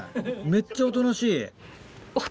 めっちゃおとなしい。